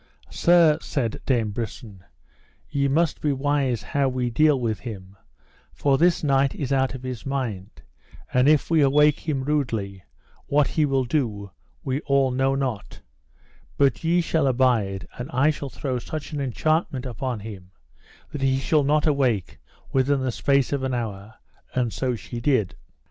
Sir, said Dame Brisen, we must be wise how we deal with him, for this knight is out of his mind, and if we awake him rudely what he will do we all know not; but ye shall abide, and I shall throw such an enchantment upon him that he shall not awake within the space of an hour; and so she did.